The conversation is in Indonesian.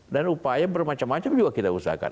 dan upaya bermacam macam juga kita usahakan